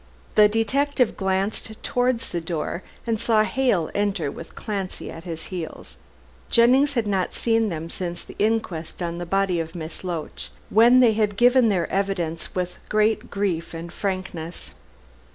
The detective glanced towards the door and saw Hale enter with Clancy at his heels. Jennings had not seen them since the inquest on the body of Miss Loach, when they had given their evidence with great grief and frankness.